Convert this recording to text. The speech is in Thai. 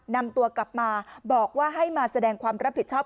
นำตัวกลับมาบอกว่าให้มาแสดงความรับผิดชอบ